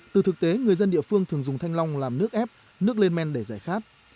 từ thực tế người dân địa phương thường dùng thanh long làm nước ép nước lên men để giải khát